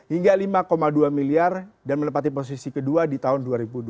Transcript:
hingga lima dua miliar dan menepati posisi kedua di tahun dua ribu dua puluh dua